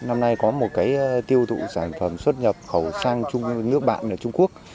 năm nay có một cái tiêu thụ sản phẩm xuất nhập khẩu sang nước bạn ở trung quốc